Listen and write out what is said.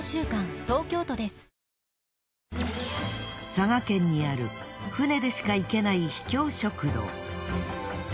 佐賀県にある船でしか行けない秘境食堂。